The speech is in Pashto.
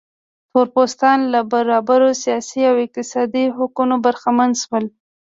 تور پوستان له برابرو سیاسي او اقتصادي حقونو برخمن شول.